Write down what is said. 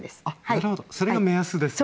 なるほどそれが目安ですね。